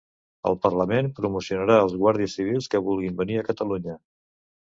El parlament promocionarà els Guàrdies Civils que vulguin venir a Catalunya